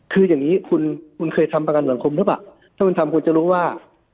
คืออย่างนี้คุณคุณเคยทำประกันสังคมหรือเปล่าถ้าคุณทำคุณจะรู้ว่า